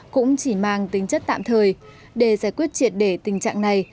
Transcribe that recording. cũng chỉ mang tính chất tạm thời để giải quyết triệt đề tình trạng này